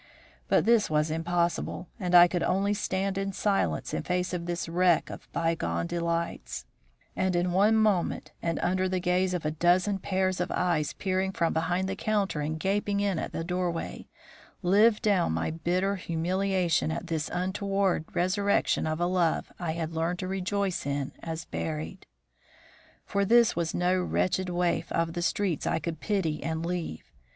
But this was impossible, and I could only stand in silence in face of this wreck of bygone delights, and in one moment and under the gaze of a dozen pairs of eyes peering from behind the counter and gaping in at the doorway, live down my bitter humiliation at this untoward resurrection of a love I had learned to rejoice in as buried. For this was no wretched waif of the streets I could pity and leave.